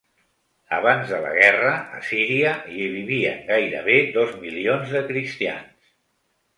Abans de la guerra, a Síria hi vivien gairebé dos milions de cristians.